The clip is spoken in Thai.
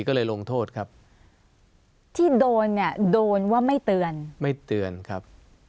ก็เลยลงโทษครับที่โดนเนี่ยโดนว่าไม่เตือนไม่เตือนครับ